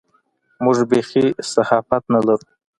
موږ بېخي صحافت نه لرو.